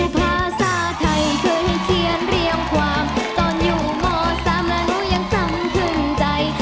ภาษาไทยเคยเขียนเรียงความตอนอยู่ม๓แล้วหนูยังจำขึ้นใจ